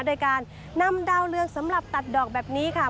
โดยการนำดาวเรืองสำหรับตัดดอกแบบนี้ค่ะ